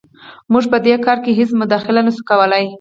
موږ په دې کار کې هېڅ مداخله نه شو کولی.